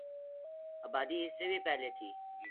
آبادی اس سے بھی پہلے تھی